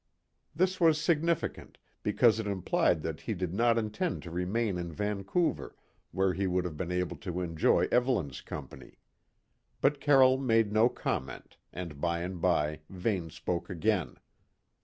This was significant, because it implied that he did not intend to remain in Vancouver, where he would have been able to enjoy Evelyn's company; but Carroll made no comment, and by and by Vane spoke again.